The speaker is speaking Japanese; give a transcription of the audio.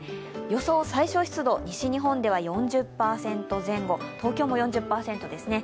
予想最小湿度、西日本では４０％前後、東京も４０％前後ですね。